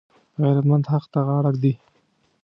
غیرتمند حق ته غاړه ږدي